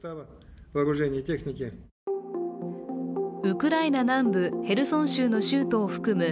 ウクライナ南部ヘルソン州の州都を含む